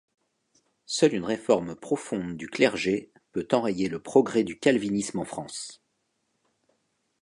Seule une réforme profonde du clergé peut enrayer le progrès du calvinisme en France.